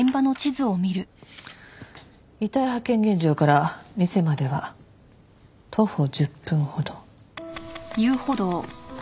「遺体発見現場から店までは徒歩１０分ほど」